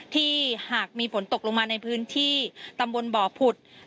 หากมีฝนตกลงมาในพื้นที่ตำบลบ่อผุด